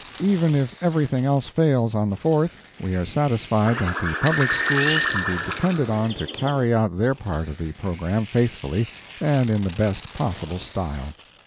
Even if everything else fails on the Fourth, we are satisfied that the Public Schools can be depended on to carry out their part of the programme faithfully and in the best possible style.